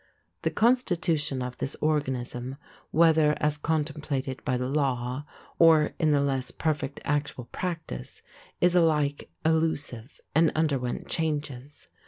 The constitution of this organism, whether as contemplated by the law or in the less perfect actual practice, is alike elusive, and underwent changes.